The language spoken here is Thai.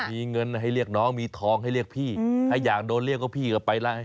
มีเงินให้เรียกน้องมีทองให้เรียกพี่ถ้าอยากโดนเรียกก็พี่ก็ไปแล้ว